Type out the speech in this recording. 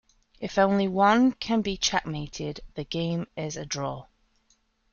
If only one can be checkmated, the game is a draw.